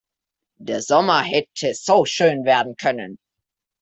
Der Sommer hätte so schön werden können.